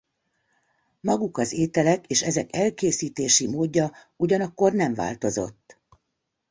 Maguk az ételek és ezek elkészítési módja ugyanakkor nem változott.